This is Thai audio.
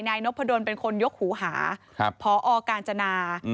นายนพดลเป็นคนยกหูหาพอกาญจนา